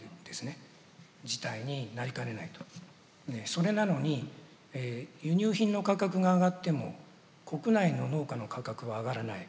それなのに輸入品の価格が上がっても国内の農家の価格は上がらない。